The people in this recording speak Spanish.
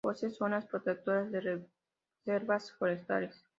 Posee zonas protectoras de reservas forestales.